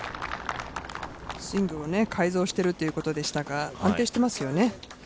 スイングをね改造しているということでしたが、安定してますよね。